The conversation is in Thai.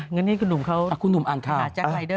งั้นนี่คุณหนุ่มเขาหาแจ๊คไลเดอร์ก่อนคุณหนุ่มอ่านข่าว